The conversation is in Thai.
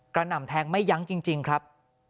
หน่ำแทงไม่ยั้งจริงครับ